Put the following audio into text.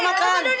wah enak banget